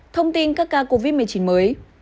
thông tin các ca covid một mươi chín mới